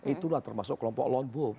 itulah termasuk kelompok lone wolf